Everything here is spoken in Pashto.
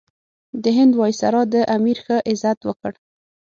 د هند وایسرا د امیر ښه عزت وکړ.